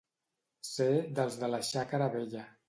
Ser dels de la xàquera vella.